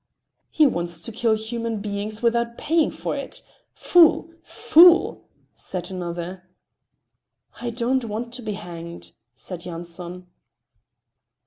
"He wants to kill human beings without paying for it. Fool! fool!" said another. "I don't want to be hanged," said Yanson.